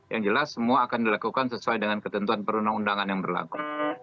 yang jelas semua akan dilakukan sesuai dengan ketentuan perundang undangan yang berlaku